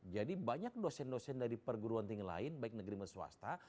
jadi banyak dosen dosen dari perguruan tinggi lain baik negeri mahasiswa swasta